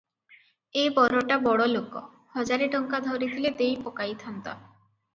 ଏ ବରଟା ବଡ଼ଲୋକ, ହଜାରେ ଟଙ୍କା ଧରିଥିଲେ ଦେଇ ପକାଇଥାନ୍ତା ।